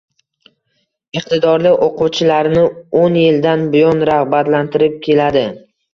Iqtidorli o‘quvchilarini o’n yildan buyon rag‘batlantirib keladi